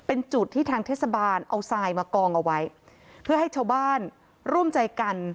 เอาทรายมากองเอาไว้เพื่อให้ชาวบ้านร่วมใจกัน